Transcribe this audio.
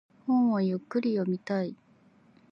本をゆっくり読みたい。